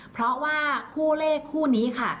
เพราะว่าคู่เลขคู่นี้ค่ะ